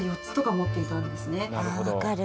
あ分かる。